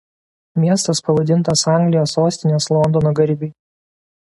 Miestas pavadintas Anglijos sostinės Londono garbei.